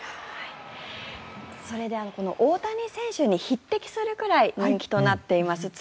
それでは大谷選手に匹敵するぐらい人気となっています